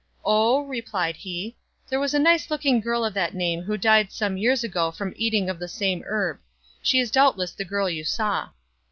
" Oh," replied he, " there was a nice looking girl of that name who died some years ago from eating of the same herb. She is doubtless the girl you saw."